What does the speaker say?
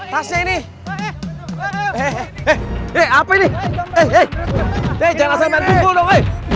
jangan sampai main pukul dong